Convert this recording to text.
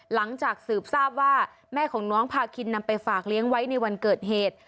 หลังจากสืบทราบว่าแม่ของน้องพาคินนำไปฝากเลี้ยงไว้ในวันเกิดเหตุ